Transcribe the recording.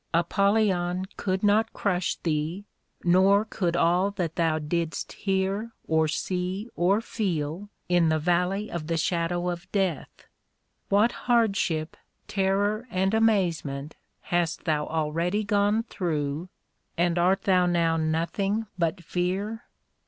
Apollyon could not crush thee, nor could all that thou didst hear, or see, or feel in the Valley of the Shadow of Death. What hardship, terror, and amazement hast thou already gone through, and art thou now nothing but fear?